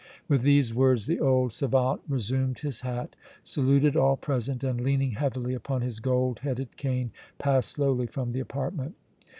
With these words the old savant resumed his hat, saluted all present and, leaning heavily upon his gold headed cane, passed slowly from the apartment.